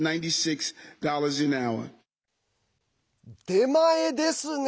出前ですね。